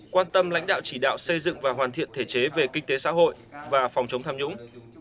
quan tâm lãnh đạo chỉ đạo xây dựng và hoàn thiện thể chế về kinh tế xã hội và phòng chống tham nhũng